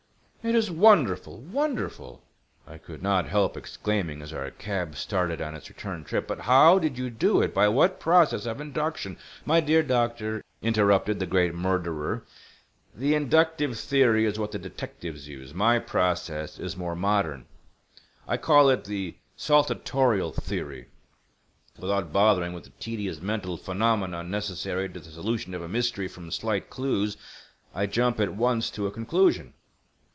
"It is wonderful—wonderful!" I could not help exclaiming as our cab started on its return trip. "But how did you do it? By what process of induction—" "My dear doctor," interrupted the great murderer, "the inductive theory is what the detectives use. My process is more modern. I call it the saltatorial theory. Without bothering with the tedious mental phenomena necessary to the solution of a mystery from slight clues, I jump at once to a conclusion.